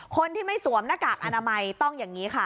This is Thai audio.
คนที่ไม่สวมหน้ากากอนามัยต้องอย่างนี้ค่ะ